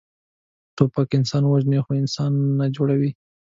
توپک انسان وژني، خو انسان نه جوړوي.